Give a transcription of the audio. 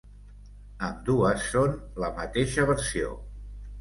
Ambdues són la mateixa versió.